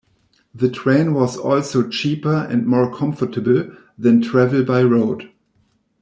The train was also cheaper and more comfortable than travel by road.